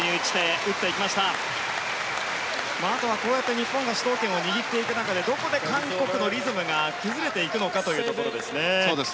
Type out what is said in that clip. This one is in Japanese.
こうやって日本が主導権を握っていく中でどこで韓国のリズムが崩れていくのかというところ。